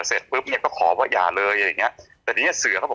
เสร็จปุ๊บเนี้ยก็ขอว่าอย่าเลยอะไรอย่างเงี้ยแต่ทีเนี้ยเสือเขาบอก